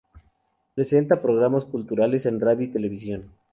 Presenta programas culturales en radio y televisión.